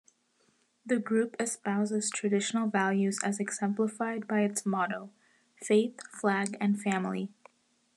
The Group espouses traditional values as exemplified by its motto: Faith, Flag, and Family.